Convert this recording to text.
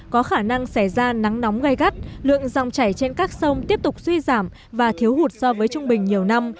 có khả năng xảy ra nắng nóng gai gắt lượng dòng chảy trên các sông tiếp tục suy giảm và thiếu hụt so với trung bình nhiều năm